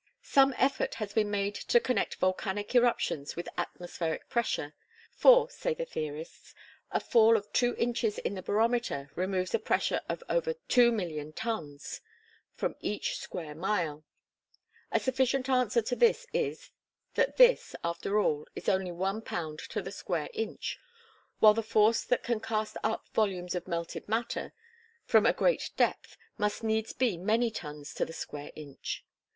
Some effort has been made to connect volcanic eruptions with atmospheric pressure; for, say the theorists, a fall of two inches in the barometer removes a pressure of over 2,000,000 tons from each square mile. A sufficient answer to this is, that this, after all, is only one pound to the square inch; while the force that can cast up volumes of melted matter from a great depth must needs be many tons to the square inch.